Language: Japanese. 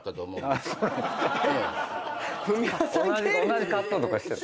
同じカットとかしてた？